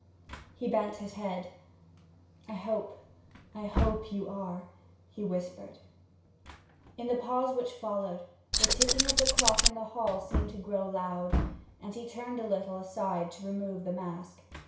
He bent his head. 'I hope, I hope you are,' he whispered. In the pause which followed, the ticking of the clock in the hall seemed to grow loud; and he turned a little aside to remove the mask.